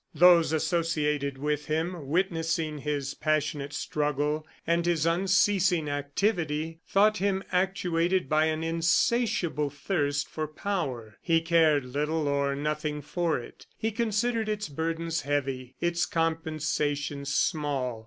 Those associated with him, witnessing his passionate struggle and his unceasing activity, thought him actuated by an insatiable thirst for power. He cared little or nothing for it. He considered its burdens heavy; its compensations small.